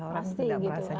pasti gitu kan